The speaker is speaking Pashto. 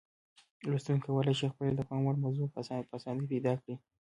لوستونکي کولای شي خپله د پام وړ موضوع په اسانۍ پیدا کړي.